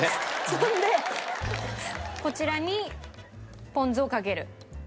そんでこちらにポン酢をかける。